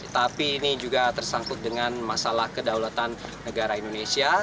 tapi ini juga tersangkut dengan masalah kedaulatan negara indonesia